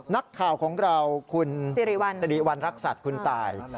นักข่าวของเราคุณสิริวัณรักษัตริย์คุณตาย